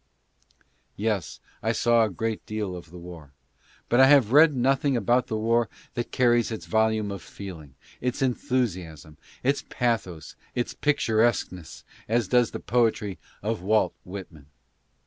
Yes, I saw a great deal of the war, but I have read nothing about the war that carries its volume of feeling, its enthusiasm, its pathos, its picturesqueness, as does the poetry of Walt Whit man.